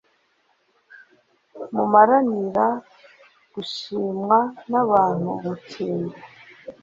Mumaranira gushimwa n abantu mu cyimbo